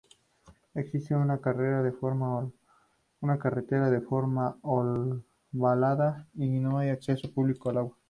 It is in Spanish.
Existe una carretera de forma ovalada y no hay acceso público al agua.